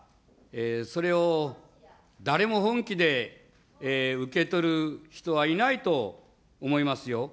それを誰も本気で受け取る人はいないと思いますよ。